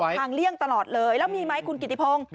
ป้ายบอกทางเลี่ยงตลอดเลยแล้วมีไหมคุณกิติพง